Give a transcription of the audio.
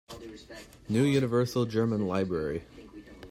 New Universal German Library.